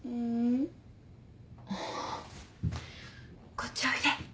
こっちおいで。